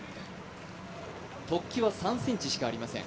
突起は３ｃｍしかありません。